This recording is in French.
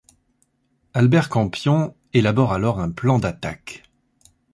Albert Campion élabore alors un plan d'attaque.